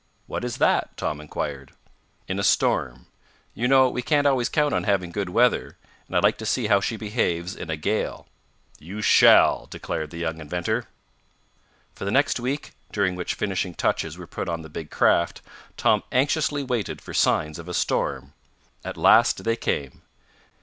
"What is that?" Tom inquired. "In a storm. You know we can't always count on having good weather, and I'd like to see how she behaves in a gale." "You shall!" declared the young inventor. For the next week, during which finishing touches were put on the big craft, Tom anxiously waited for signs of a storm. At last they came.